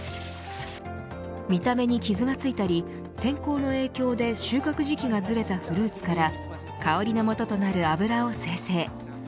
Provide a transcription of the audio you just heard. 見た目に傷がついたり天候の影響で収穫時期がずれたフルーツから香りのもととなる油を精製。